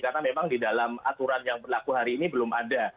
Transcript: karena memang di dalam aturan yang berlaku hari ini belum ada